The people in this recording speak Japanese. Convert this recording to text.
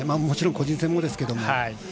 もちろん個人戦もですけども。